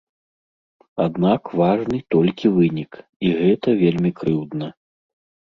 Аднак важны толькі вынік, і гэта вельмі крыўдна.